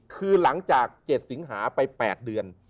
คือหลังจาก๗สิงหาไป๘เดือน